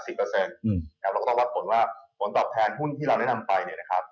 สำหรับผลว่าผลตอบแทนหุ้นที่เราแนะนำไปนะครับ